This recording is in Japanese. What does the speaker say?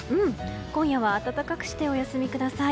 今夜は暖かくしてお休みください。